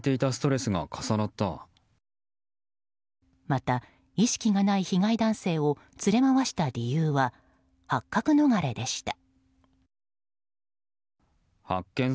また意識がない被害男性を連れ回した理由は発覚逃れでした。